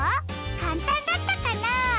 かんたんだったかな？